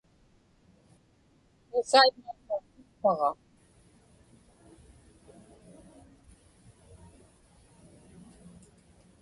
Kiisaimmaa tautukpaġa.